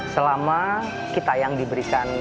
selama kita yang diberikan